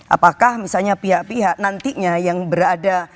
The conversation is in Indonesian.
apakah misalnya pihak pihak nantinya yang berada